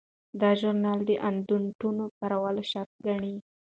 دا ژورنال د اندنوټونو کارول شرط ګڼي.